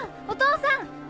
お父さん！